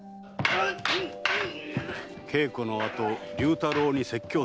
「稽古のあと竜太郎に説教される」